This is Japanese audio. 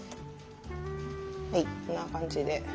はいこんな感じで。